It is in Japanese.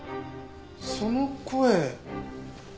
その声。